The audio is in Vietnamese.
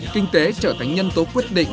kinh tế trở thành nhân tố quyết định